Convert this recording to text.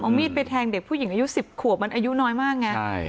มีดไปแทงเด็กผู้หญิงอายุ๑๐ขวบมันอายุน้อยมากไงใช่